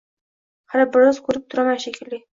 Hali biroz ko‘rib turaman shekilli